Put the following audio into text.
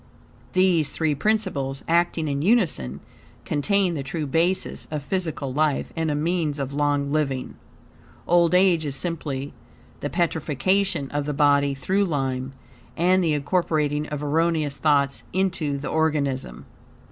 These three principles, acting in unison, contain the true basis of physical life and a means of long living. Old age is simply the petrifaction of the body through lime, and the incorporating of erroneous thoughts into the organism.